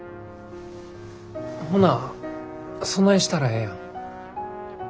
ほなそないしたらええやん。